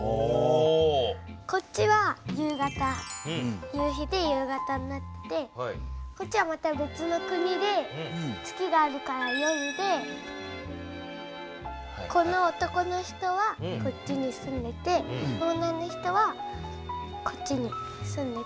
こっちは夕日で夕方になってこっちはまた別の国で月があるから夜でこの男の人はこっちに住んでてこの女の人はこっちに住んでて。